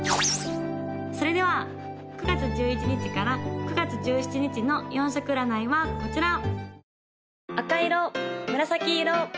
・それでは９月１１日から９月１７日の４色占いはこちら！